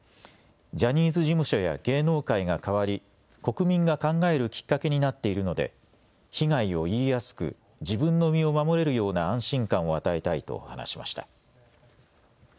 ジャニーズ事務所や芸能界が変わり、国民が考えるきっかけになっているので被害を言いやすく自分の身を守れるような安心感を与えたいと話しました。